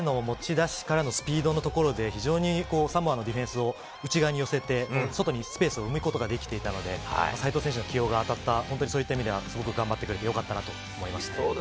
彼の持ち出しからのスピードのところで非常にサモアのディフェンスを内側に寄せて、外にスペースを埋めることができていたので、齋藤選手の起用が当たった、すごく頑張ってくれてよかったなと思いました。